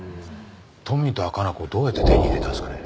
富田加奈子どうやって手に入れたんですかね？